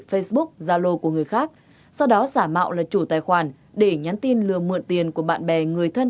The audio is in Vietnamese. facebook zalo của người khác sau đó giả mạo là chủ tài khoản để nhắn tin lừa mượn tiền của bạn bè người thân